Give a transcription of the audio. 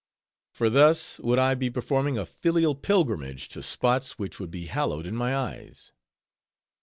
For thus would I be performing a filial pilgrimage to spots which would be hallowed in my eyes.